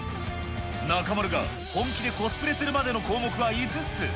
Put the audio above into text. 中丸が本気でコスプレするまでの項目は５つ。